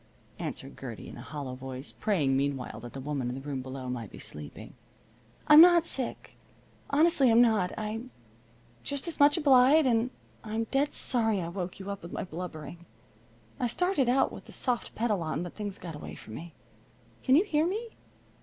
answered Gertie in a hollow voice, praying meanwhile that the woman in the room below might be sleeping. "I'm not sick, honestly I'm not. I'm just as much obliged, and I'm dead sorry I woke you up with my blubbering. I started out with the soft pedal on, but things got away from me. Can you hear me?"